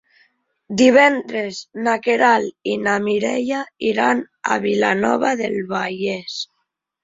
Divendres na Queralt i na Mireia iran a Vilanova del Vallès.